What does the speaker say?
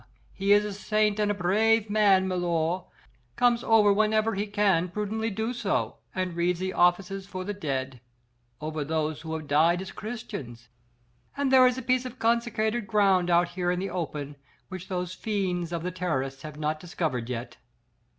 he is a saint and a brave man, milor comes over whenever he can prudently do so and reads the offices for the dead over those who have died as Christians, and there is a piece of consecrated ground out here in the open which those fiends of Terrorists have not discovered yet."